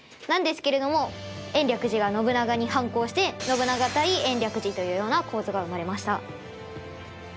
なんですけれども延暦寺が信長に反抗して信長対延暦寺というような構図が生まれました。